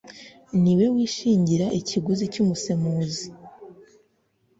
ni we wishingira ikiguzi cy’umusemuzi